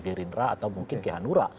gerindra atau mungkin ke hanura